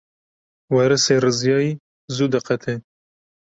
Werîsê riziyayî zû diqete.